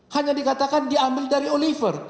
hanya dikatakan diambil dari oliver